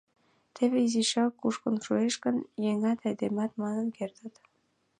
Теве изишак кушкын шуэш гын, еҥат-айдемат манын кертыт.